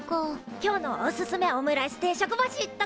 今日のおすすめオムライス定食星とかどうだ？